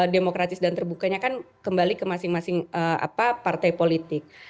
demokratis dan terbukanya kan kembali ke masing masing partai politik